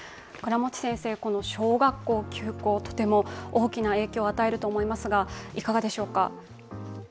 小学校休校、とても大きな影響を与えると思いますが、いかがでしょうか？